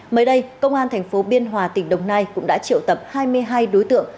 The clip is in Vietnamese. mới đây công an tp biên hòa tỉnh đồng nai cũng đã triệu tập hai mươi hai đối tượng